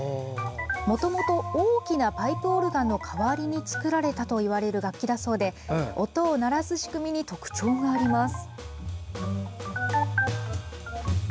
もともと大きなパイプオルガンの代わりに作られたといわれる楽器だそうで、音を鳴らす仕組みに特徴があります。